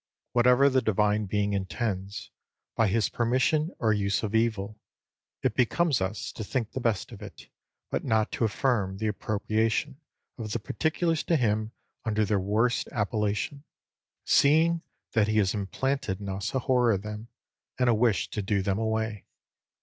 Whatever the Divine Being intends, by his permission or use of evil, it becomes us to think the best of it; but not to affirm the appropriation of the particulars to him under their worst appellation, seeing that he has implanted in us a horror of them, and a wish to do them away.